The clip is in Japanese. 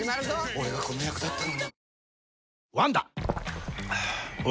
俺がこの役だったのにえ？